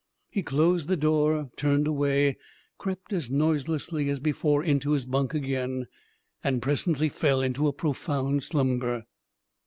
He closed the door, turned away, crept as noiselessly as before into his bunk again, and presently fell into a profound slumber.